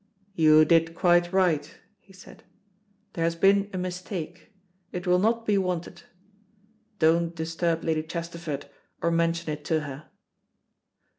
"You did quite right," he said. "There has been a mistake; it will not be wanted. Don't disturb Lady Chesterford, or mention it to her."